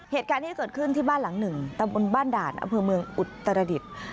เหตุการณ์นี้เกิดขึ้นที่บ้านหลังหนึ่งตะบนบ้านด่านอำเภอเมืองอุตรดิษฐ์